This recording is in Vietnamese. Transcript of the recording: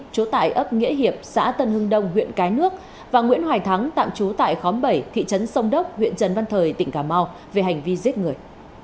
trú tại ấp nghĩa hiệp xã tân hưng đông huyện cái nước và nguyễn hoài thắng tạm trú tại khóm bảy thị trấn sông đốc huyện trần văn thời tỉnh cà mau về hành vi giết người